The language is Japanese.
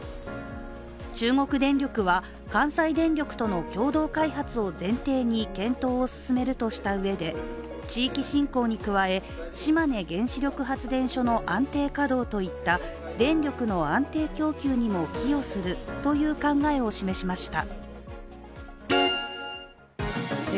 中国電力は関西電力との共同開発を前提に検討を進めるとしたうえで、地域振興に加え、島根原子力発電所の安定稼働といった電力の安定供給にも寄与するという考えを示しました。